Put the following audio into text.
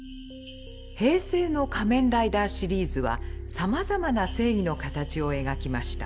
平成の「仮面ライダー」シリーズはさまざまな正義の形を描きました。